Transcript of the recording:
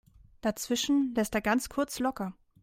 Dazwischen lässt er ganz kurz locker.